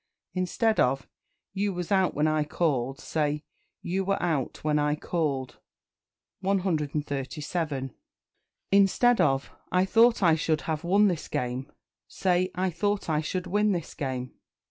Instead of "You was out when I called," say "You were out when I called." 137. Instead of "I thought I should have won this game," say "I thought I should win this game."